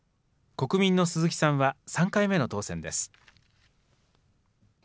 国民の鈴木さんは３回目の当選です。